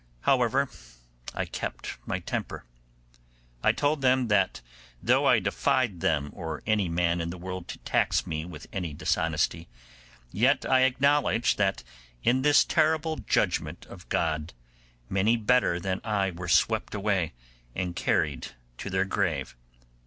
However, I kept my temper. I told them that though I defied them or any man in the world to tax me with any dishonesty, yet I acknowledged that in this terrible judgement of God many better than I were swept away and carried to their grave.